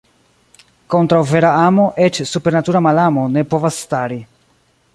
Kontraŭ vera amo eĉ supernatura malamo ne povas stari.